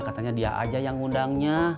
katanya dia aja yang ngundangnya